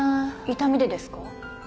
痛みでですか？